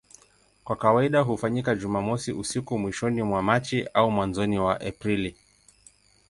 Kwa kawaida hufanyika Jumamosi usiku mwishoni mwa Machi au mwanzoni mwa Aprili.